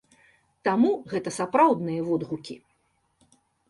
Таму, гэта сапраўдныя водгукі.